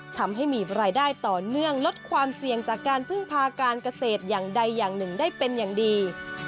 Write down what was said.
ทำให้มีรายได้ต่อเนื่องลดความเสี่ยงจากการพึ่งพาการเกษตรอย่างใดอย่างหนึ่งได้เป็นอย่างดี